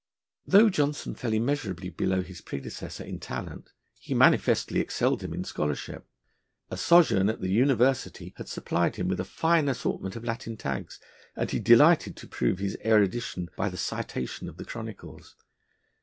Though Johnson fell immeasurably below his predecessor in talent, he manifestly excelled him in scholarship. A sojourn at the University had supplied him with a fine assortment of Latin tags, and he delighted to prove his erudition by the citation of the Chronicles.